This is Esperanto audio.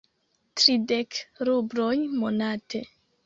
Tridek rubloj monate.